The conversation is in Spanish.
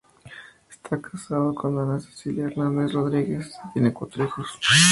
Esta casado con Ana Cecilia Hernández Rodríguez y tiene cuatro hijos.